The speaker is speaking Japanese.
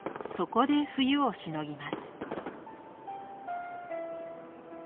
そこで冬をしのぎます。